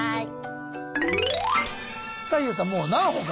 はい。